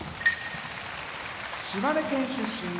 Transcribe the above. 島根県出身